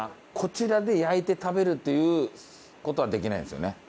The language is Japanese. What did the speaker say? こちらで焼いて食べるという事はできないんですよね？